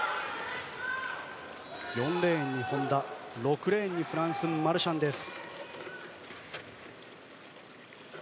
４レーンに本多、６レーンにフランスのマルシャンです。